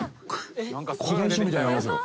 古伝書みたいなありますよ」